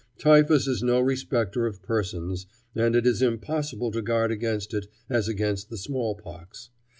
Typhus is no respecter of persons, and it is impossible to guard against it as against the smallpox.